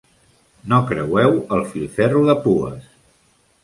No creueu el filferro de pues.